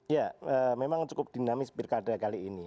ya memang cukup dinamis pilkada kali ini